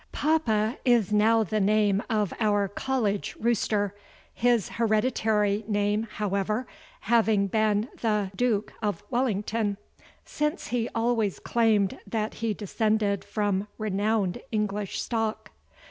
"Papa" is now the name of our college rooster, his hereditary name, however, having been the "Duke of Wellington," since he always claimed that he descended from renowned English stock.